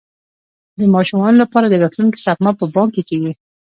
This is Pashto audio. د ماشومانو لپاره د راتلونکي سپما په بانک کې کیږي.